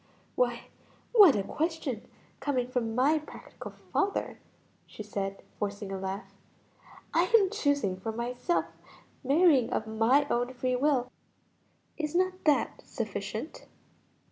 "Why what a question coming from my practical father!" she said, forcing a laugh. "I am choosing for myself, marrying of my own free will; is not that sufficient?"